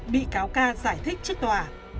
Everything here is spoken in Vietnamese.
bị cáo ca giải thích trước tòa